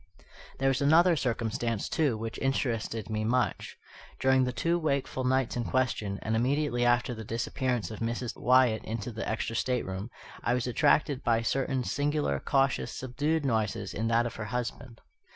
There was another circumstance, too, which interested me much. During the two wakeful nights in question, and immediately after the disappearance of Mrs. Wyatt into the extra stateroom, I was attracted by certain singular, cautious, subdued noises in that of her husband.